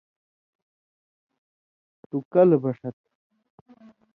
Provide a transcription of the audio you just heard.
تُوۡ کل بَݜَت ۔